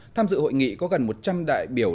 tham dự hội nghị có gần một trăm linh đại biểu